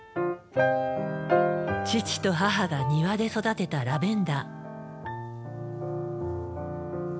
父と母が庭で育てたラベンダー。